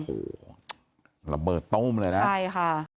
โอ้โหระเบิดตุ้มเลยนะใช่ค่ะ